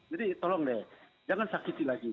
jadi tolong deh jangan sakiti lagi